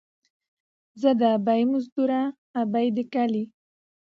ـ زه دې ابۍ مزدوره ، ابۍ دې کلي.